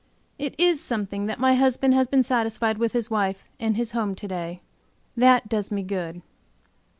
It is something that my husband has been satisfied with his wife and his home to day; that does me good.